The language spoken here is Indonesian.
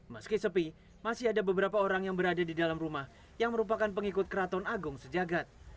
meski sepi masih ada beberapa orang yang berada di dalam rumah yang merupakan pengikut keraton agung sejagat